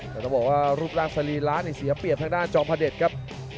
แต่ต้องบอกว่ารูปราสารีร้านที่เสียเปรียบทางด้านจอมพะเดชครับ